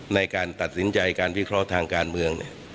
ในการตัดสินใจการวิเคราะห์ทางการเมือง